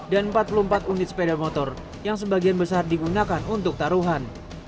dan empat puluh empat unit sepeda motor yang sebagian besar digunakan untuk taruhan